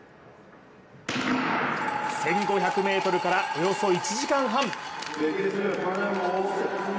１５００ｍからおよそ１時間半。